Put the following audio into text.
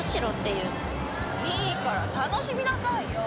いいから楽しみなさいよ！